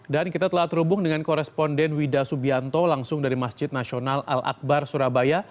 dan kita telah terhubung dengan koresponden wida subianto langsung dari masjid nasional al akbar surabaya